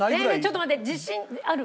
ちょっと待って。